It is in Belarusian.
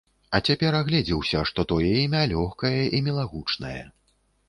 А цяпер агледзеўся, што тое імя лёгкае і мілагучнае.